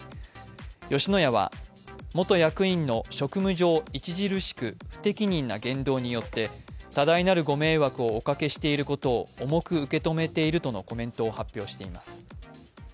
吉野家は元役員の職務上、著しく不適切な言動によって多大なる御迷惑をおかけしていることを重く受け止めているとのコメントを発表しています。